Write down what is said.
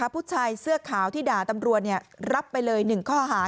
ผู้ชายเสื้อขาวที่ด่าตำรวจรับไปเลย๑ข้อหา